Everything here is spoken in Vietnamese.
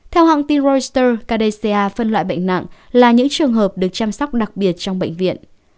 theo hãng tin reuster cada phân loại bệnh nặng là những trường hợp được chăm sóc đặc biệt trong bệnh viện